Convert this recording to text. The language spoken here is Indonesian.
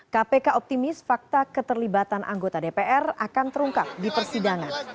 kpk optimis fakta keterlibatan anggota dpr akan terungkap di persidangan